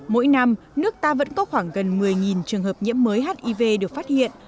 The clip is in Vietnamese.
mỗi năm nước ta vẫn có khoảng gần một mươi trường hợp nhiễm mới hiv được phát hiện